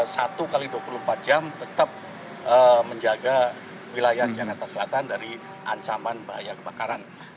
satu x dua puluh empat jam tetap menjaga wilayah jakarta selatan dari ancaman bahaya kebakaran